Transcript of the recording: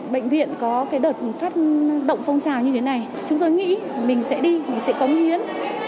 bệnh viện có cái đợt phát động phong trào như thế này chúng tôi nghĩ mình sẽ đi mình sẽ cống hiến